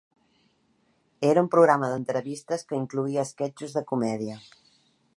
Era un programa d'entrevistes que incloïa esquetxos de comèdia.